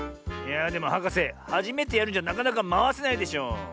いやあでもはかせはじめてやるんじゃなかなかまわせないでしょ。